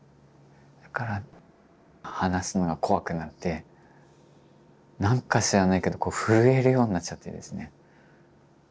だから話すのが怖くなってなんか知らないけど震えるようになっちゃってですね。